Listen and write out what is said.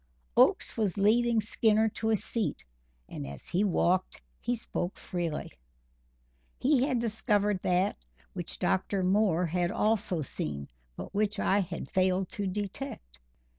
Oakes was leading Skinner to a seat, and as he walked, he spoke freely. He had discovered that which Dr. Moore had also seen, but which I had failed to detect.